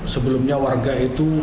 sebelumnya warga itu